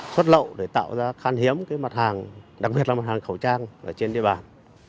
xuất lậu để tạo ra khan hiếm mặt hàng đặc biệt là mặt hàng khẩu trang trên địa bàn